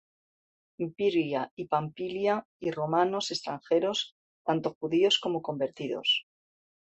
En Phrygia y Pamphylia y Romanos extranjeros, tanto Judíos como convertidos,